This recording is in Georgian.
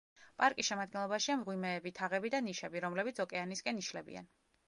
პარკის შემადგენლობაშია მღვიმეები, თაღები და ნიშები, რომლებიც ოკეანისკენ იშლებიან.